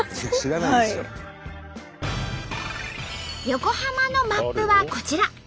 横浜のマップはこちら！